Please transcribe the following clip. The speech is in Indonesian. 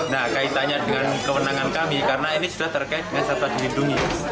nah kaitannya dengan kewenangan kami karena ini sudah terkait dengan satwa dilindungi